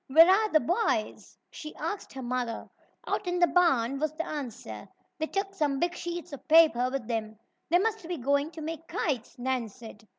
"Where are the boys?" she asked her mother. "Out in the barn," was the answer. "They took some big sheets of paper with them." "They must be going to make kites," Nan said.